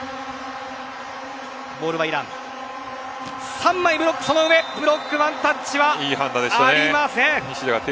３枚ブロック、その上ブロックワンタッチはありません。